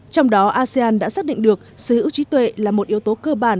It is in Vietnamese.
trong đó asean đã xác định được sở hữu trí tuệ là một yếu tố cơ bản